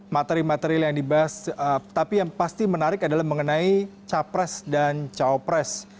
materi materi yang dibahas tapi yang pasti menarik adalah mengenai capres dan cawapres